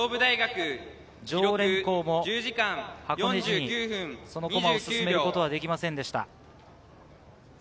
常連校も駒を進めることはできませんでした。